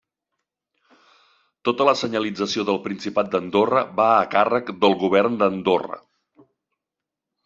Tota la senyalització del Principat d'Andorra va a càrrec del Govern d'Andorra.